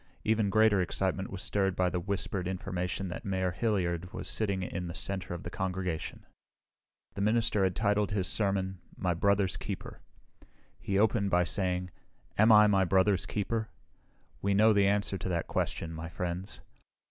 Even greater excitement was stirred by the whispered information that Mayor Hilliard was sitting in the center of the congregation. The minister had titled his sermon, "My Brother's Keeper." He opened by saying, "Am I my brother's keeper? We know the answer to that question, my friends.